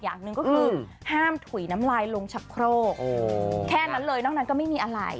อย่างหนึ่งก็คือห้ามถุยน้ำลายลงชะโครกแค่นั้นเลยนอกนั้นก็ไม่มีอะไร